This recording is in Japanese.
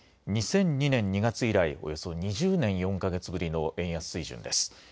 ２００２年２月以来、およそ２０年４か月ぶりの円安水準です。